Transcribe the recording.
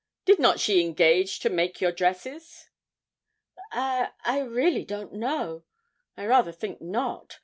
Did not she engage to make your dresses?' 'I I really don't know; I rather think not.